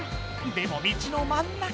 でも道のまん中！